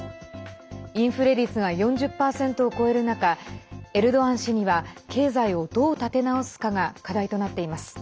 インフレ率が４０％を超える中エルドアン氏には経済をどう立て直すかが課題となっています。